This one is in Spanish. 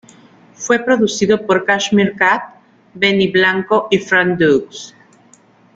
Fue producido por Cashmere Cat, Benny Blanco y Frank Dukes.